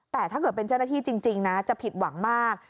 แต่ถ้าเกิดเป็นเจ้าหน้าที่จริงนะจะผิดหวังมาก